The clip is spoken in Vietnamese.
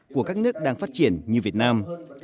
các nước đang phát triển như việt nam